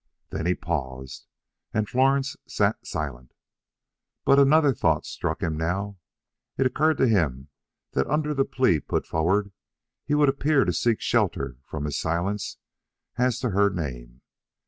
Then he paused, and Florence sat silent. But another thought struck him now. It occurred to him that under the plea put forward he would appear to seek shelter from his silence as to her name.